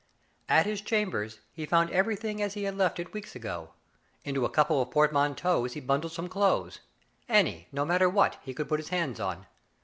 At his chambers he found everything as he had left it weeks ago. Into a couple of portmanteaus he bundled some clothes — any, no matter what, he could put his hands on.